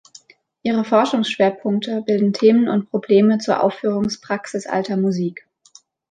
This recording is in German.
Ihre Forschungsschwerpunkte bilden Themen und Probleme zur Aufführungspraxis Alter Musik.